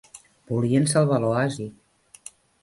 Volien salvar l'oasi.